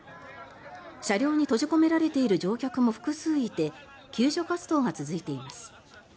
車両に閉じ込められている乗客も複数いて救助活動が続いています。